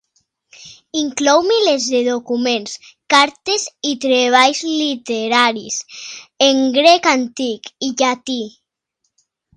Inclou milers de documents, cartes i treballs literaris en grec antic i llatí.